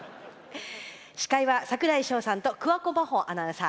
司会は櫻井翔さんと桑子真帆アナウンサー。